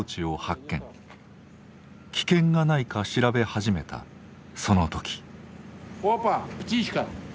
危険がないか調べ始めたその時。